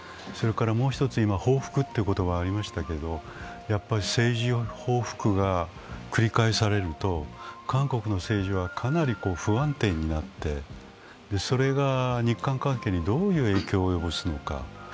それからもう一つ、今、報復という言葉がありましたけど、政治は報復が繰り返されると、韓国の政治はかなり不安定になってそれが日韓関係にどういう影響を及ぼすのか。